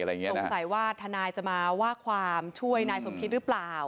สงสัยว่าทนายจะมาว่าความช่วยนายสมคิดหรือเปล่า